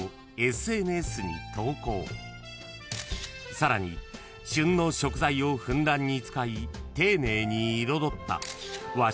［さらに旬の食材をふんだんに使い丁寧に彩った和食の写真をアップ］